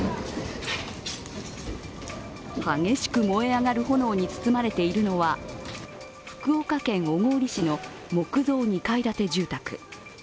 激しく燃え上がる炎に包まれているのは福岡県小郡市の木造２階建て住宅。